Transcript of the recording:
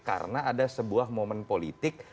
karena ada sebuah momen politik